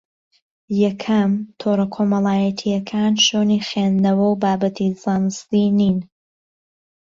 یەکەم: تۆڕە کۆمەڵایەتییەکان شوێنی خوێندنەوە و بابەتی زانستی نین